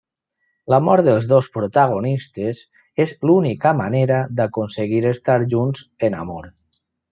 La mort dels dos protagonistes és l'única manera d'aconseguir estar junts en amor.